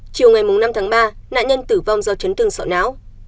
chiều ngày năm tháng ba nạn nhân tử vong do chấn tương sọ náo